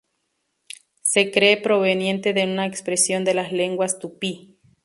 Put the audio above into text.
Se cree proveniente de una expresión de las lenguas tupí.